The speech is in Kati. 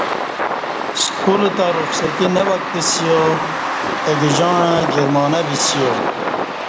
سکول تہ رخصتی نہ وگتسیا اگجاعں جرمانہ بسیا